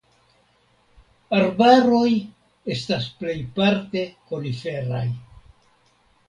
Arbaroj estas plejparte koniferaj.